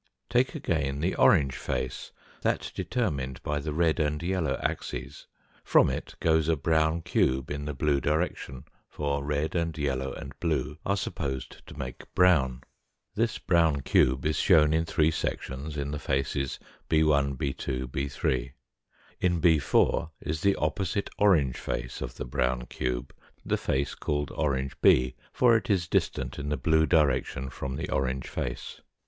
Take again the orange face, that determined by the red and yellow axes ; from it goes a brown cube in the blue direction, for red and yellow and blue are supposed to make brown. This brown cube is shown in three sections in the faces 6 t , 6 2 , 6 3 . In 6 4 is the opposite orange face of the brown cube, the face called orangp b, BEMARKS ON THE FIGURES 181 for it is distant in the blue direction from the orange face.